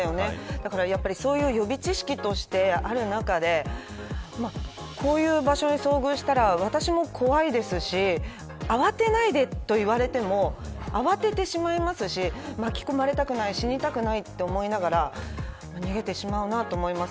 だから、そういう予備知識としてある中でこういう場所に遭遇したら私も怖いですし慌てないでと言われても慌ててしまいますし巻き込まれたくない死にたくないと思いながら逃げてしまうなと思います。